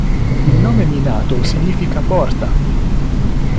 Il nome "minato" significa "porta".